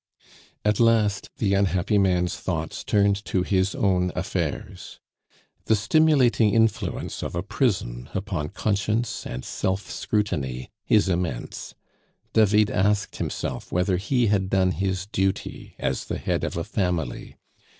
At last the unhappy man's thoughts turned to his own affairs. The stimulating influence of a prison upon conscience and self scrutiny is immense. David asked himself whether he had done his duty as the head of a family.